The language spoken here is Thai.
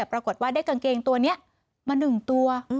ปรากฏว่าได้กางเกงตัวนี้มา๑ตัว